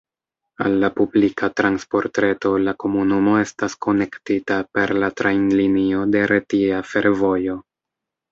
Al la publika transportreto la komunumo estas konektita per la trajnlinio de Retia Fervojo.